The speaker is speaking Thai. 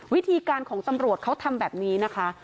วิธีการของตำรวจเขาทำแบบนี้นะคะ